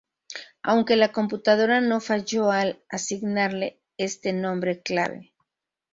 Aunque la computadora no falló al asignarle este nombre clave.